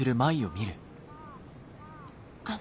あの。